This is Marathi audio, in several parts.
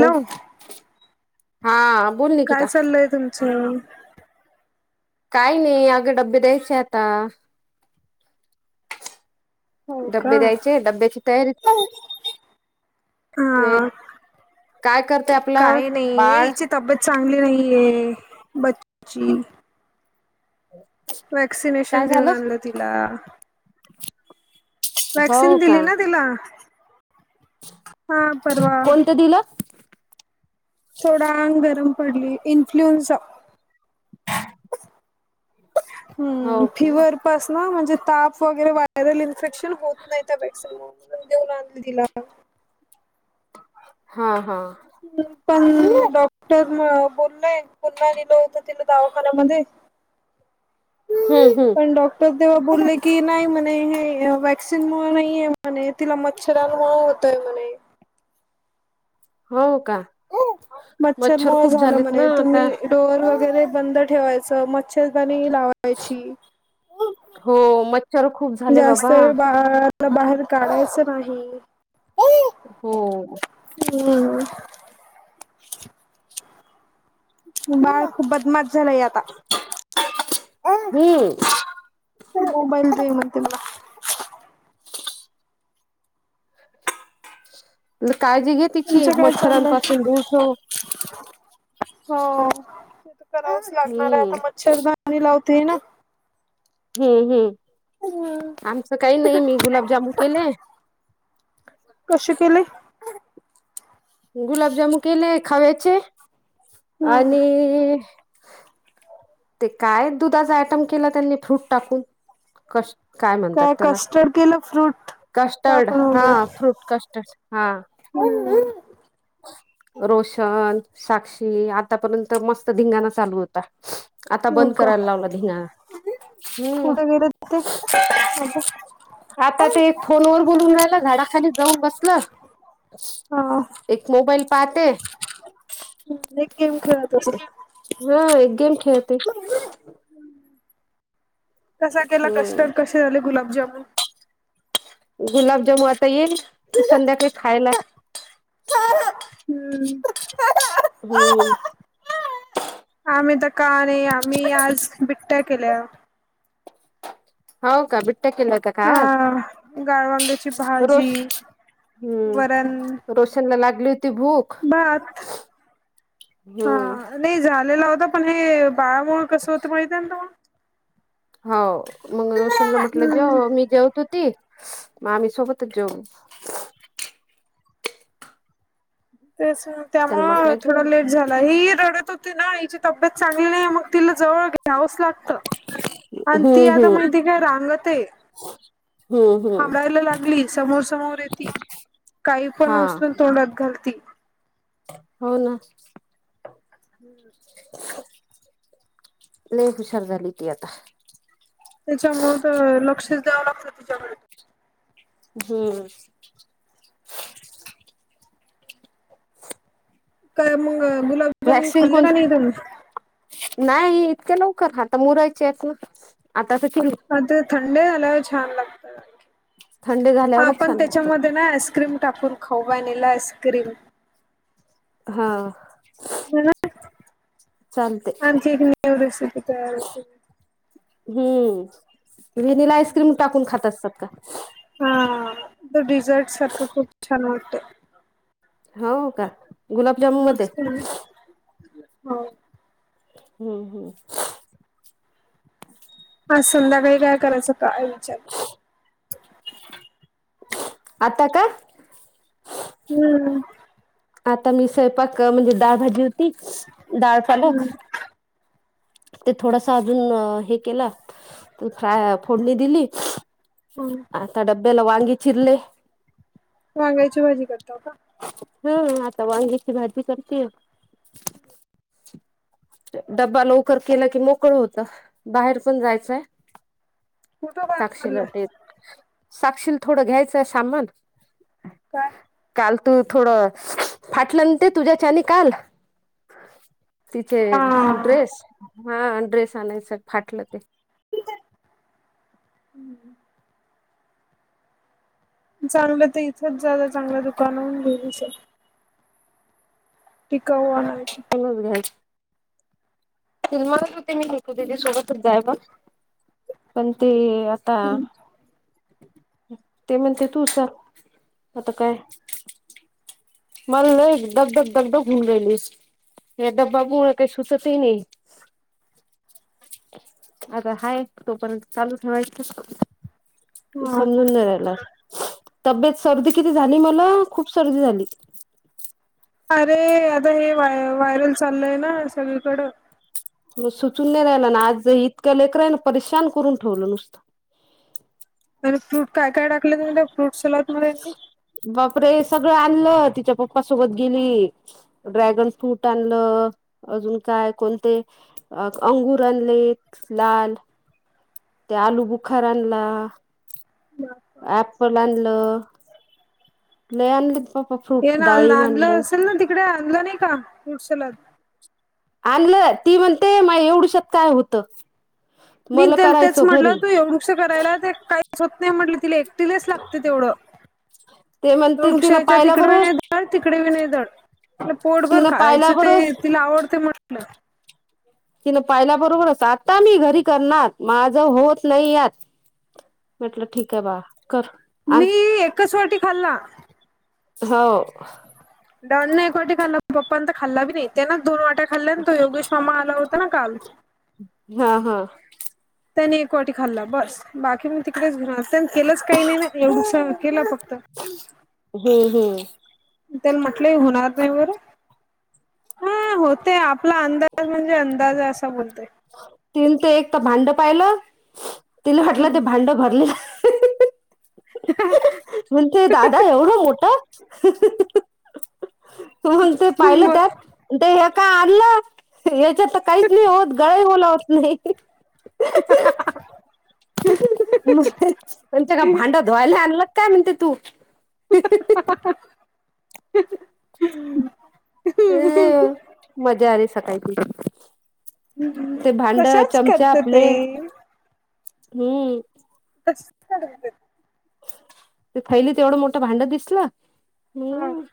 हो काय चाललंय तुमचं? काय नाही, अगं डब्बे द्यायचे आता. हो का? डब्बे द्यायचे, डब्याची तयारी ते काय करते आप काय नाही, हिची तब्येत चांगली नाहीये, बच्ची वॅक्सिनेशन काय देऊन झालं आणलं तिला. हो वॅक्सिन दिली का ना तिला, हा परवा. त दिलं? थोडं आंग गरम पडली, इन्फ्लुएंझा हम्म हो का फिवर पासनं म्हणजे ताप वगैरे व्हायरल इन्फेक्शन होत नाही त्या वॅक्सिनने. देऊन आणली तिला आता. हा हा पण डॉक्टरनं बोललंय, पुन्हा नेलं होतं तिला दावाखान्यामध्ये. [inaudible] हम्म हम्म डॉक्टर तेव्हा बोलले की, नाही म्हणे हे वॅक्सिनमुळं नाहीये म्हणे. तिला मच्छरांमुळं होतंय म्हणे. हो का? मच्छर मच्छरमुळं खूप झालं झालेत म्हणे ना आता तुम्ही डोअर वगैरे बंद ठेवायचं, मच्छरदाणी लावायची. हो म जास्तवेळ बाळाला बाहेर काढायचं नाही. हो हम्म बाळ खूप बदमाश झालाय आता. हम्म मोबाईल दे म्हणतंय मला. काळजी घे तिची, तुमचं काय चाललंय मच्छरांपासून दूर ठेव. हो ते तर करावच लागणार आहे, हम्म आता मच्छरदानी लावते ना. हम्म हम्म, आमचं काही नाही मी गुलाबजामून केले. कशे केले? गुलाबजामून केले खव्याचे हम्म आणि ते काय दुधाचा आयटम केला त्यांनी फ्रूट टाकून, कस् काय म्हणतात त्याला? कस्टर्ड केलं फ्रूट कस्टर्ड टाकून हा फ्रूट कस्टर्ड हा. हम्म रोशन, साक्षी आतापर्यंत मस्त धिंगाणा चालू होता. आता हो बंद का करायला लावला धिंगाणा, हम्म. कुठे गेले ते आता आता ते फोनवर बोलून राहिलं, झाडाखाली जाऊन बसलं. हा. एक मोबाईल पाहते. एक गेम खेळत असेल हा एक गेम खेळते. कसा केला हम्म कस्टर्ड, कसे झाले गुलाबजामुन? गुलाबजामू आता येईल, त संध्याकाळी खायला. हम्म हम्म. आम्ही तर का नाही, आम्ही आज बिट्ट्या केल्या. हो का, बिट्ट्या केल्या का? आज हा, गाळवांग्याची भाजी, रोज वरण. रोशन लागली होती भूक. भात, हा हम्म नाही झालेला होता पण हे बाळामुळे कसं होतं माहिित आहे त हो मग रोशनला म्हटलं जे हम्म, मी जेवतो. मामी सोबतच जाेऊन. ते त्यामु त्याला म्हटलं जेव थोडा लेट झाला ही रडत हो. ना यािची तब्येत चांगली नाही, मग तिला जवळ घ्या. लात आणि हम्म ती आता हम्म माहिती काय रांगत आहे. हम्म हम्म हांमलायला लागली समोर समोर येतती, काही पण हा उसून तोंडात घालती. हो ना. ह् [inaudible] ले हुशार झालितयता. त्याच्यामु लक्षच द्यावं लागत त्याच्यामुळे. हम्म. मग गुलाबजामुन वॅक्सिंग खाल्ले कोण का नाही त्याण नाही इतक्या लवकर, आता मोरायचे आहेत, ना आता कि अ ते थंडे झाल्यावर छान लागत, थंड झाल्यावरच आपण छान लागतात त्याच्यामध्ये ना आईस्क्रीम. टापून खववा नाहीला आइस क्रीम. हा. मला चालते आणखी एक नेव रेसिपी तयार होती. हम्म व्हनिला आईस्क्रीम टाकून खात असतात का. हा डिझर्ट सर्क खूप ानतेे [unintelligible] हो का गुलाबजामन मध्ये. होम. हम्म हम्म. हा संमधा वेगवेगळळा करायचं, काय विचार. आता का? हम्म. आता मी स्वयंपाक म्हणजे, डाळ भाजी होती डाळ हम्म पालक. ते थोडसा अजून हे केला त फ्रा फोडणी दिली. हम्म आता डबेला वाांंगी चिर्ले. वांगायची भाजी करतो का? हम आता वांगीची भाजी करते. डब्बा लवकर केलं की मोकळ होत, बाहेर पण जायचंय. कुठं बाहेर साीला चाललाय ते साक्षीलील थोडं घ्यायचंय सामान. काय? काल तू थोडं फाटलंन ते तुझ्या आणि काल. हा ड्रेस हा ड्रेस आणायच फाटलं ते. हम्म. चांगलं तर इथंच जा चांगलं दुकान होन गे. टिकवयची. घचमला होते मी घेतो तथ सोबतच जाय का? पण ते आता ते म्हणते तू स आता काय? मला ल एक धग धग धगधग घऊन राहिलीस या डबबाबू म्ह काही सुततही नाही. आता हाय तो पण चालू ठेवायच. हा समजून नाही राहिला तब्येत सर्दी किती झाली मला खूप सर्दी झाली. अरे आता हेय व्हायरल चाललंय ना सगळीकडं. मग सुचून नाही राहिला ना आज इतका लेकररा आहे परेशान करून ठेवलं नुसतं. प फ्रूट काय काय टाकलं तु फ्रूट सॅलड मध्ये. बापरे सगळं आलं तिच्या पप्पासोबत गेली. ड्रॅगन फ्रूट आणलं अजून काय कोणते. अ अंगूर आणलेत लाल- त्या आलू बुखार आणला. एप्पल आणलं लय आणलं. आप ये फ्रूट ना डाळीम आणलं अनल. असेल ना तिकडे आणलं नाही का पुडशला- आणलं ती म्हणते मा एवढु शत काय होतं. मी मला तेच करायचो म्हटलं घरी तू एवढुस करायला ते काहीच होत नाही म्हटलं तिला एकटिलेच लागते तेवढं. ते म्हणते थोडूक तिनं शायच्या पाहिल्या तिकडेी बरोबर नाही दड तिकडे बी नाही धड. तला पोटभर तिनं पाहिल्या खायचं बरोबर ते तिला आवडते म्हटलं. तिन पाहिल्या बरोबरच आता मी घरी करणार माझं होत नाही यात. म्हटलं ठीक आहे बा कर. आण मी एकच वाटी खाल्ला. हो दड न ना एक वाटी खाल्ला पप्पा तर खाल्लाी नाही ते ना दोन वाट्या खाल्ल्या तो योगेश मामा आला होता ना काल. हा हा त्यानी एक वाटी खाल्ला बस बाकी मग तिकडेच घ त्यांनी केलंच काही नाही ना एवढं केलं फक्त. हम्म हम्म त्याला म्हटलं होणार नाही बर हा होते आपला अंदाज. ज म्हणजे अंदाज असा बोलते. तिन ते एक तर भांड पाहिलं तिने म्हटलं ते भांड भरले. ह म्हण तेे दादा एवढं मोठा. हो ते पाहिलं मग त्यात ते हे काय आणलं. त्याता काहीच नाही होत गळा होला होत नाही. [inaudible] मग तुमच्या का भांडं धुवायला आणलं. काय म्हणते तू, मजा आ सकाळीची ते भांड तशाच चमचे करते आपले ताई हम्म तसच करते ते थैली ते एवढं मोठं भांड दिसलं हा म-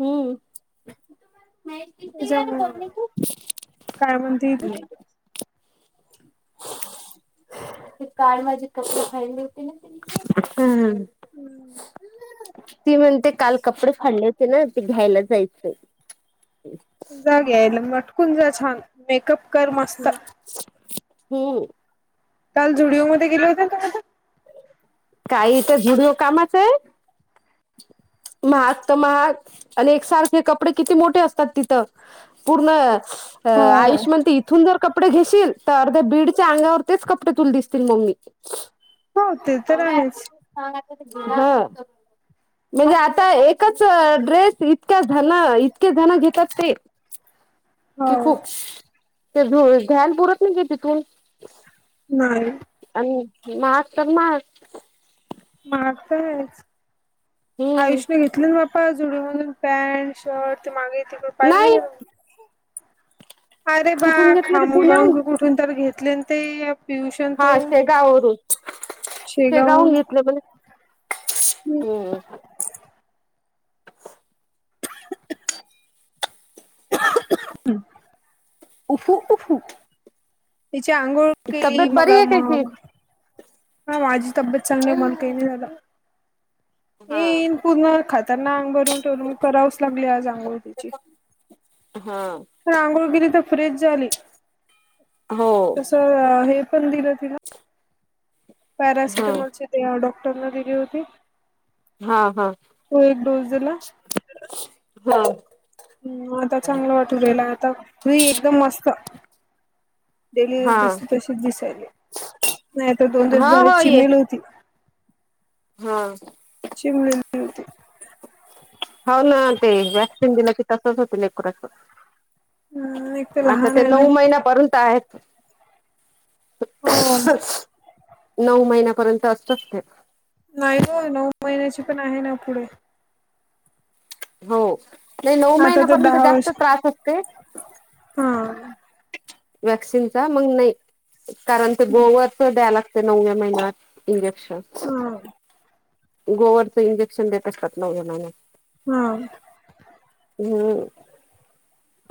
हम्म त्याच्यामुळ काय म्हणती. ते काळ माझे कपडे खाली होती ना तिने, हम् ती म्हणते काल कपडे फाडले - ना ते घ्यायलाच जायचं जा घ्यायला मटकुून जा छान मेकअप कर मस्त होम् काल जुडिओमध्येध्ये गेले होते तु काही तर जुडओ कामाचं आहे महाग तर महाग आणि एकसारखे कपडे किती मोठे असतात तिथं पूर्ण हो. आयुष्यमान ते सुंदर कपडे घेशील तर अर्ध्या बीडच्या अंगावरतीच कपडे तुला दिसतील मम्मी हो ते तर आहेच ांग म्हणजे आता एकच ड्रेस इतक्या धण इतके जण घेतात ते हो की खूप ते ध्यान पुरत नाही ग तिथून नाही अन् महागतरमहाग महागत आहेच हम्म आयुष्यने घेतली बा पहा झुडीयो मधून पॅन्ट शर्ट त मागे तिकड पाहिलं नाही नाहीे का तुम्ही. अरे बा कुठून घेतलं ते खामुन पुण्याहून बनवून कुठून तर घेतलेन ते. पियुष अन तो हा शेगाववरून शेगावून शेगावहून घेतलं मले हम्म हम्म. [unintelligible] तिची आंघोळ केली तब्येत मग बरी आहे म त्याची हा माझी तब्येत चांगली मग केली दादा. हा ईन पूर्ण खाताना आंग भरून ठेवल म करावंच लागली आज आंगोळ. हा. पण आांघोळ केली तर फ्रेंश झाली हो तसं हे पण दिल तिला. हा पॅरासिटमॉलची ते अ डॉक्टरने दिली होती. हा हा तो एक डोस दिला. हा. हम्म आता चांगलं वाटु राहील आता फ्री एकदम मस्त. डेली हा दिसते तशीच दिसायले नाही तर दोन दिवस हा झाले हो ये चिमेल होती. हा. चिमलेल. होती. हव ना ते वॅक्सिन दिलं की तसच होत लेकराच. हम्म एक तर आता लहान ते आहे ना नऊ महिन्यापर्यंत आहेत. हो नऊ महिन्यापर्यंत असतच ते. नाही ग नऊ महिन्याची पण आहे ना पुढे. हो हे नऊ आता तर महिन्यापर्यंत दहा जास्त वर्ष त्रास असते हा वॅक्सिनचा मग नाही कारण ते गोवरच दया लाग ते नवव्या महिन्यात इंजेक्शन. हा. गोवरचं इंजेक्शन देत असतात नवव्या महिन्यात. हा. हम्म.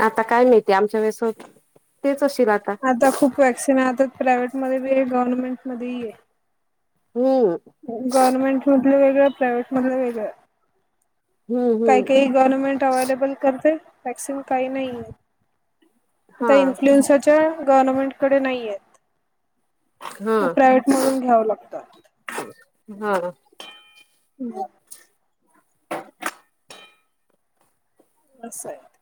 आता काय माहितीय आमच्या वेळेस होत तेच अशेल आता. आता खूप वॅक्सिन आहे आता प्रायव्हेटमध्ये बी आहे गव्हर्नमेंटमध्ये ई आहे. हम्म. गव्हर्मेंट मधले वेगळं प्रायव्हेट मधले वेगळं. हम्म काही हम्म काही गव्हर्मेंट अवलेबल करते वॅक्सिन काही नाही. आता हा इन्फ्लुएन्साच्या गव्हर्मेंटकडे नाहीय आहेत. हा तो प्रायव्हेट मधून घ्यावं लागता. हा. [unintelligible] [unintelligible]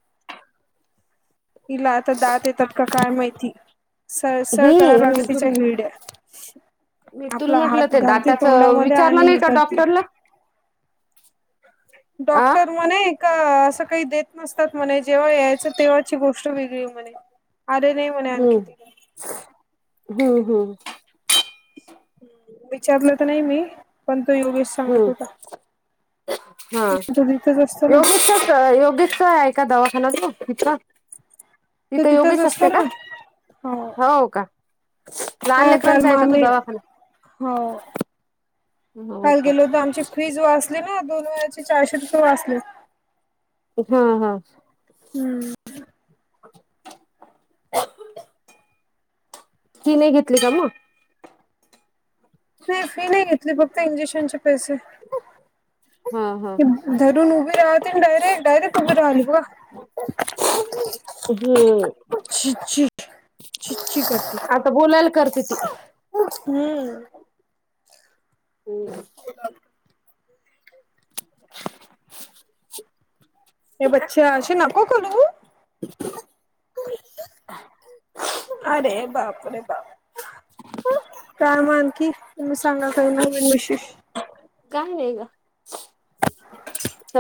तिला आता दात येतात का काय माहिती. सळ सळ करायला हम्म लागले मी तुम तिच्या हिरड्या. मी तुला आपला म्हटलं हात ते घालती दाताच तोंडामध्ये विचारलं आणि नाही हे का करती. डॉक्टरला आ डॉक्टर म्हणे का असं काही देत नसतात म्हणे जेव्हा यायचं तेव्हाची गोष्ट गोष्ट वेगळी म्हणे आले नाही म्हणे हम्म आणखी. हम्म हम्म. विचारलं तर नाही मी पण तो योगेश सांगत हम्म होता हा तो तिथंच असतो ना योगचच योगश का आहे. का दवाखानातो तिथंला तो तिथे तिथंच योगेश असतो असते का. ना हो का लहान हा काल लेकरांचा आहे मग का तो आम्ही दवाखाना. हो हो काल का गेलो होत आमची फीज वाच [unintelligible] ना दोन वेळाचे चारशे रुपये वाचले. हा, हा. हम्म! फि नाही घेतली का मग? नाही फी नाही घेतली फक्त इंजेक्शनचे पैसे. हा हा धरुन उभी राहतेना डायरेक्ट, डायरेक्ट उभी राहली बा. हम्म! हम! छि छि छि छि करते आता बोलायला करते ती. हम्म! हम्! ते हे बच्छा असशी नको कलू. अरे बापरे बाप! काय मान की तुम्ही सांगा काही नवीन विशेष? काय नाही गं!